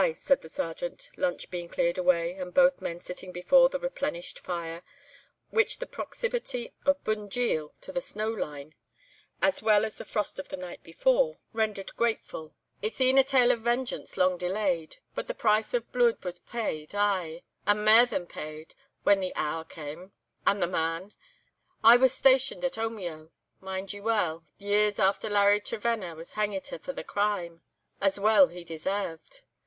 said the Sergeant, lunch being cleared away, and both men sitting before the replenished fire, which the proximity of Bunjil to the snow line, as well as the frost of the night before, rendered grateful, "it's e'en a tale of vengeance long delayed, but the price of bluid was paid—ay, and mair than paid, when the hour cam', and the man. I was stationed at Omeo, I mind weel, years after Larry Trevenna was hangit for the crime, as well he desairved.